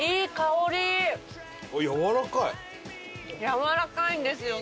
やわらかいんですよ。